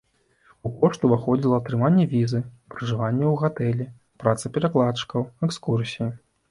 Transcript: У кошт уваходзіла атрыманне візы, пражыванне ў гатэлі, праца перакладчыкаў, экскурсіі.